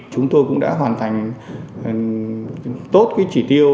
chúng tôi cũng đã hoàn thành tốt cái chỉ tiêu